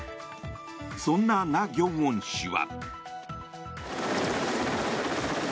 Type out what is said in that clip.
そんなナ・ギョンウォン氏は。